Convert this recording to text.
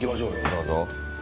どうぞ。